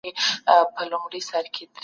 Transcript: مثبت لید له ننګونو څخه فرصتونه جوړوي.